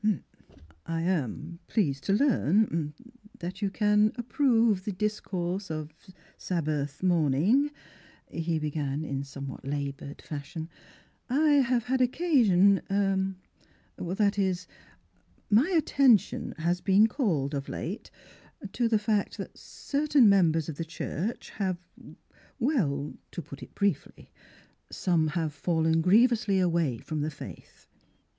" I am pleased to learn — ah — that you can approve the discourse of Sabbath morning/' he be gan in somewhat labored fashion. "I have had occa sion to — that is — er, my at tention has been called of late to the fact that certain mem bers of the church have — well, to put it briefly, some have 64 Miss Phiktra fallen grievously away from the faith.''